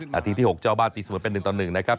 นาทีที่๖เจ้าบ้านตีเสมอเป็น๑ต่อ๑นะครับ